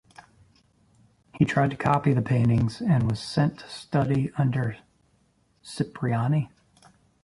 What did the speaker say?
He tried to copy the paintings, and was sent to study under Cipriani.